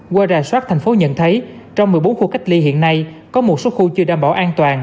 qua rà soát thành phố nhận thấy trong một mươi bốn khu cách ly hiện nay có một số khu chưa đảm bảo an toàn